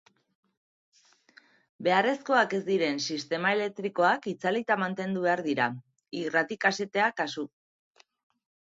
Beharrezkoak ez diren sistema elektrikoak itzalita mantendu behar dira, irrati-kasetea kasu.